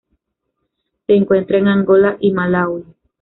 Se encuentra en Angola y Malaui.